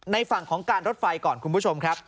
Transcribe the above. ฝั่งของการรถไฟก่อนคุณผู้ชมครับ